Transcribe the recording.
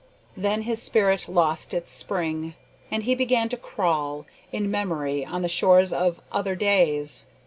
Then his spirit lost its spring, and he began to crawl, in memory, on the shores of "other days."